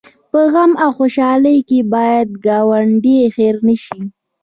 په غم او خوشحالۍ کې باید ګاونډی هېر نه شي